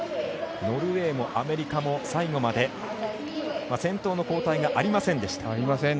ノルウェーもアメリカも最後まで先頭の交代がありませんでした。